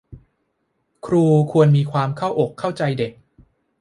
ครูควรมีความเข้าอกเข้าใจเด็ก